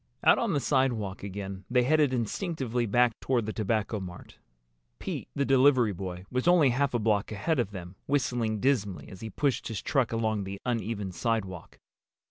Out on the sidewalk again they headed instinctively back toward the Tobacco Mart. Pete, the delivery boy, was only half a block ahead of them, whistling dismally as he pushed his truck along the uneven sidewalk.